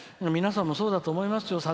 皆さんも、そうだと思いますよ。